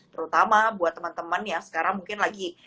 terutama buat temen temen yang sekarang mungkin lagi